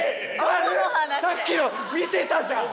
さっきの見てたじゃん！